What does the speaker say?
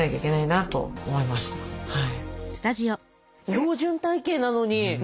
標準体形なのに。